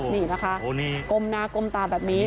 นี่นะคะก้มหน้าก้มตาแบบนี้